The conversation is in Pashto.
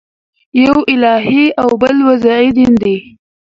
یو الهي او بل وضعي دین دئ.